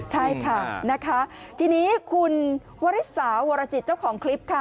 ใช่ค่ะนะคะทีนี้คุณวริสาวรจิตเจ้าของคลิปค่ะ